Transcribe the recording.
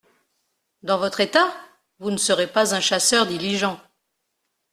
Dans votre état !… vous ne serez pas un chasseur diligent.